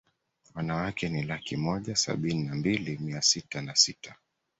Wanawake ni laki moja sabini na mbili mia sita na sita